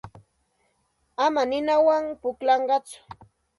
Ama ninawan pukllatsu.